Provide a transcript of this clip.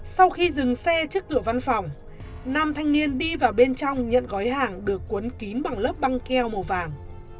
sau khi dừng xe trước cửa văn phòng nam thanh niên đi vào bên trong nhận gói hàng được cuốn kín bằng lớp băng keo màu vàng